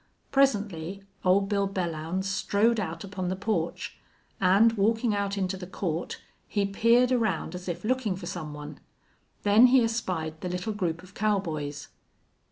Presently Old Bill Belllounds strode out upon the porch, and, walking out into the court, he peered around as if looking for some one. Then he espied the little group of cowboys.